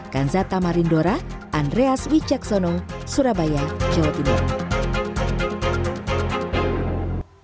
kanzata marindora andreas wijaksono surabaya jawa tenggara